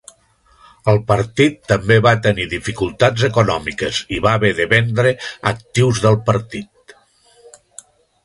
El partit també va tenir dificultats econòmiques i va haver de vendre actius del partit.